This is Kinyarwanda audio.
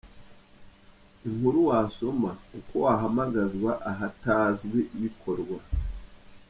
Inkuru wasoma: Uko guhamagazwa ahatazwi bikorwa.